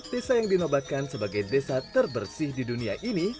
desa yang dinobatkan sebagai desa terbersih di dunia ini